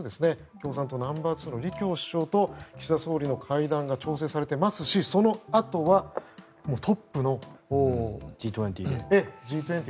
共産党ナンバーツーの李強首相と岸田総理の会談が調整されていますしＧ２０。